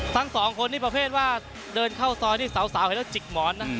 ทั้งสองคนนี้ประเภทว่าเดินเข้าซอยนี่สาวเห็นแล้วจิกหมอนนะ